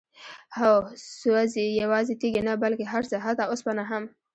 هو؛ سوزي، يوازي تيږي نه بلكي هرڅه، حتى اوسپنه هم